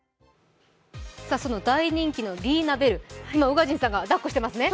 その大人気のリーナ・ベル、今宇賀神さんがだっこしていますね。